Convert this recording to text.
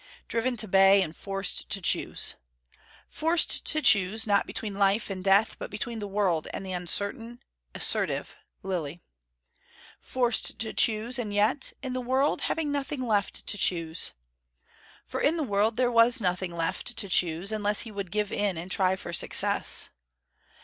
Driven to bay, and forced to choose. Forced to choose, not between life and death, but between the world and the uncertain, assertive Lilly. Forced to choose, and yet, in the world, having nothing left to choose. For in the world there was nothing left to choose, unless he would give in and try for success.